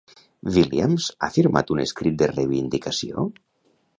Williams ha firmat un escrit de reivindicació?